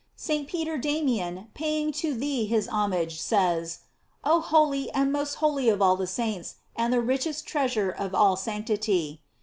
St. Peter Damian, paying to thee his homage, says : "Oh holy, and m*«t holy of all the sainte, and the richest treasure of all sancthy